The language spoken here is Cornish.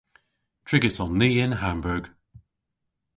Trigys on ni yn Hamburg.